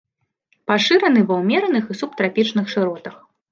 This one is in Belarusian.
Пашыраны ва ўмераных і субтрапічных шыротах.